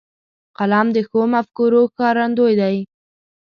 قلم د ښو مفکورو ښکارندوی دی